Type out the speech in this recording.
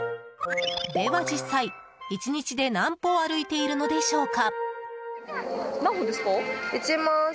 では、実際１日で何歩歩いているのでしょうか？